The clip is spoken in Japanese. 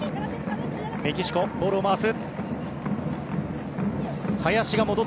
メキシコ、ボールを回す。